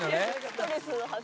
ストレスの発散。